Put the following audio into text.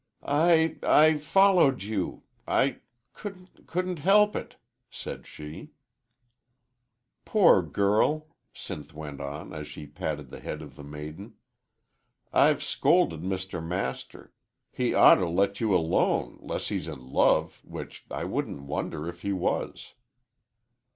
"I I followed you. I couldn't couldn't help it," said she. "Poor girl!" Sinth went on, as she patted the head of the maiden. "I've scolded Mr. Master. He oughter let you alone, 'less he's in love, which I wouldn't wonder if he was."